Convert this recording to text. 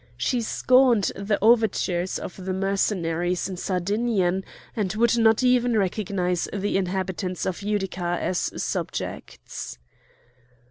She scorned the overtures of the Mercenaries in Sardinian, and would not even recognise the inhabitants of Utica as subjects.